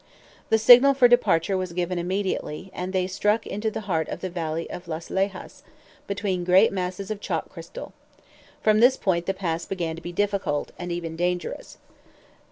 The signal for departure was given immediately, and they struck into the heart of the valley of Las Lejas, between great masses of chalk crystal. From this point the pass began to be difficult, and even dangerous.